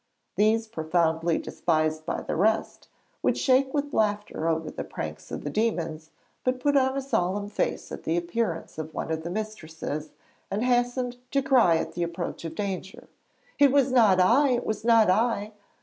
These profoundly despised by the rest, would shake with laughter over the pranks of the 'demons,' but put on a solemn face at the appearance of one of the mistresses, and hastened to cry at the approach of danger: 'It was not I!' 'It was not I!'